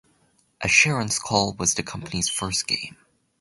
"Asheron's Call" was the company's first game.